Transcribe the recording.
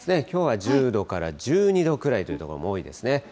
きょうは１０度から１２度くらいという所も多いですね。